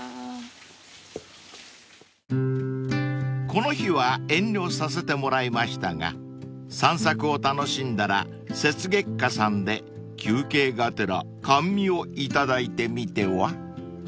［この日は遠慮させてもらいましたが散策を楽しんだら雪月花さんで休憩がてら甘味を頂いてみては？］